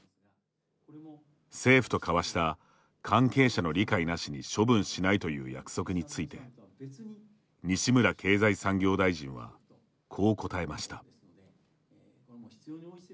政府と交わした関係者の理解なしに処分しないという約束について西村経済産業大臣はこう答えました。